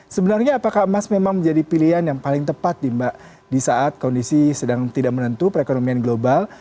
sebenarnya apakah emas memang menjadi pilihan yang paling tepat di saat kondisi sedang tidak menentu perekonomian global